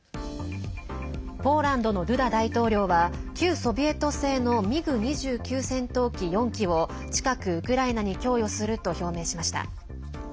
ポーランドのドゥダ大統領は旧ソビエト製のミグ２９戦闘機４機を近くウクライナに供与すると表明しました。